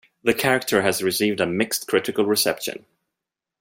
The character has received a mixed critical reception.